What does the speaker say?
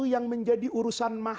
yang dirangkum dalam surah al fatihah